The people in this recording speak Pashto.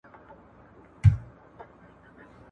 هر څوک په ټولنه کي یو رول لري.